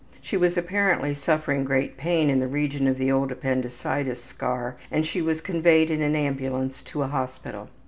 She was apparently suffering great pain in the region of the old appendicitis scar and she was conveyed in an ambulance to a hospital.